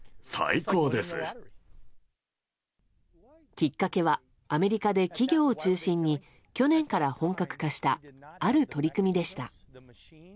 きっかけはアメリカで企業を中心に去年から本格化したある取り組みでした。